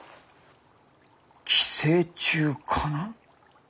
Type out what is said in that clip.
寄生虫かな？